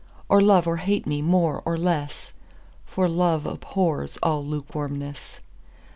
Or love or hate me more or less, For love abhors all lukewarmness.